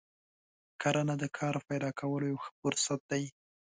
کرنه د کار پیدا کولو یو ښه فرصت دی.